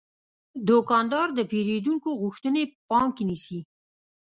دوکاندار د پیرودونکو غوښتنې په پام کې نیسي.